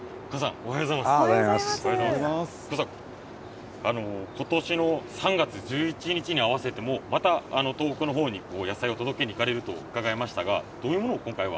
近藤さん、ことしの３月１１日に合わせてまた東北のほうに野菜を届けに行かれると伺いました